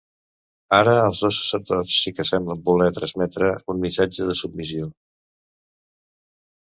Ara els dos sacerdots sí que semblen voler transmetre un missatge de submissió.